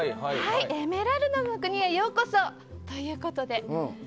エメラルドの国へようこそということで。